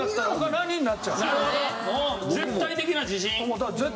絶対的な自信。